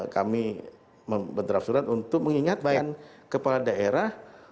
kami berharap surat untuk mengingatkan kepala daerah